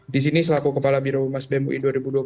di sini selaku kepala biro umas bemui dua ribu dua puluh dua